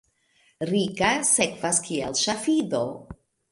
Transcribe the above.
Rika, sekvas kiel ŝafido.